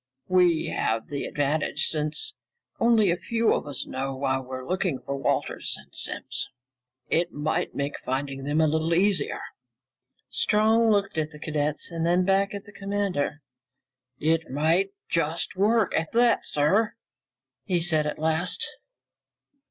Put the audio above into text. We have the advantage, since only a few of us know why we're looking for Wallace and Simms. It might make finding them a little easier." Strong looked at the cadets and then back at the commander. "It might just work, at that, sir," he said at last.